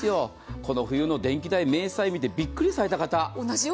この冬の電気代、明細見てびっくりされた方。